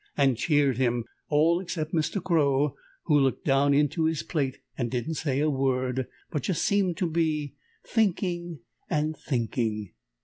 and cheered him, all except Mr. Crow, who looked down into his plate and didn't say a word, but just seemed to be thinking and thinking.